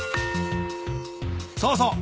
そうそう。